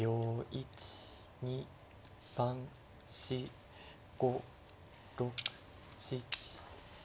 １２３４５６７。